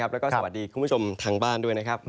แล้วก็สวัสดีคุณผู้ชมทางบ้านด้วยนะครับ